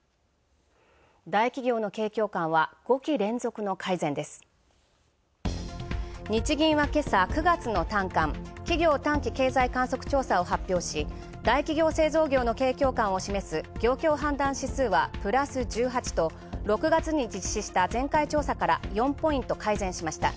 大企業の景況感は５期連続の改善日銀は今朝、９月の短観＝企業短期経済観測調査を発表し、大企業・製造業の景況感を示す業況判断指数はプラス１８と６月に実施した前回調査から４ポイント改善しました。